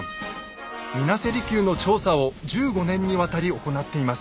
水無瀬離宮の調査を１５年にわたり行っています。